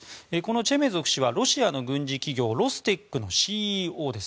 チェメゾフ氏はロシアの軍事企業ロステックのＣＥＯです。